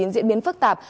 diễn biến phức tạp